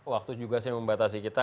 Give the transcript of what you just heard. waktu juga membatasi kita